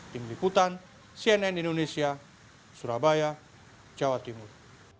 tim liputan cnn indonesia surabaya jawa timur